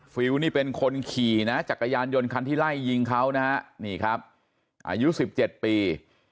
ฟิลนี่เป็นคนขี่นะจักรยานยนต์คันที่ไล่ยิงเขานะฮะนี่ครับอายุ๑๗ปี